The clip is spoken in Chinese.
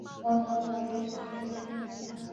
浙江宁波人。